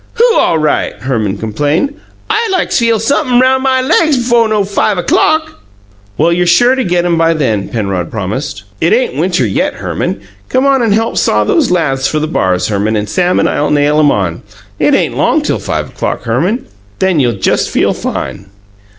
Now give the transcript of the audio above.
"WHO all right?" Herman complained. "I like feel sump'm' roun' my laigs befo' no five o'clock!" "Well, you're sure to get 'em by then," Penrod promised. "It ain't winter yet, Herman. Come on and help saw these laths for the bars, Herman, and Sam and I'll nail 'em on. It ain't long till five o'clock, Herman, and then you'll just feel fine!"